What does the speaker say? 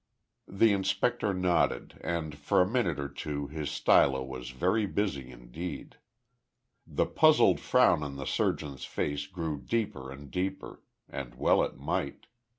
The inspector nodded, and for a minute or two his stylo was very busy indeed. The puzzled frown on the surgeon's face grew deeper and deeper, and well it might.